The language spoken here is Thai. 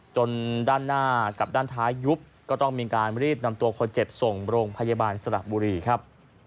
จนด้านหน้ากับด้านท้ายยุบก็ต้องมีการรีบนำตัวคนเจ็บส่งโรงพยาบาลสระบุรีครับ